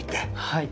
はい。